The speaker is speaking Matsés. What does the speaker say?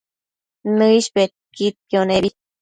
Nëish bedquidquio nebi